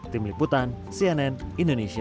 tim liputan cnn indonesia